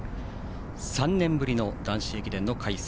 ３年ぶりの男子駅伝の開催。